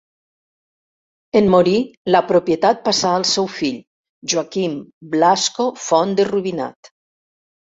En morir, la propietat passà al seu fill, Joaquim Blasco Font de Rubinat.